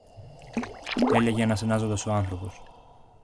έλεγε αναστενάζοντας ο άνθρωπος.